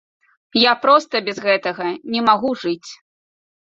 Я проста без гэтага не магу жыць!